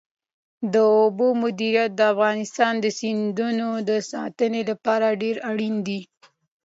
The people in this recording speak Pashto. د اوبو مدیریت د افغانستان د سیندونو د ساتنې لپاره ډېر اړین دی.